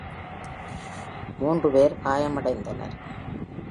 மூன்று பேர் காயமடைந்தனர்.